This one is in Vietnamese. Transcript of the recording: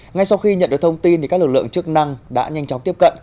ngay sau khi nhận được thông tin các lực lượng chức năng đã nhanh chóng tiếp cận